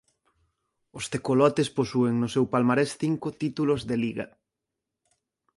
Os Tecolotes posúen no seu palmarés cinco títulos de liga.